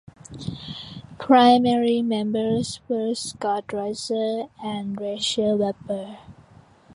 Primary members were Scott Ryser and Rachel Webber.